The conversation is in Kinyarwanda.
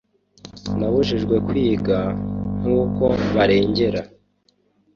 nabujijwe kwiga, nkuko barengera